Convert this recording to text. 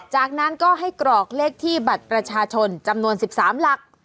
จากนั้นก็ให้กรอกเลขที่บัตรประชาชนจำนวน๑๓หลัก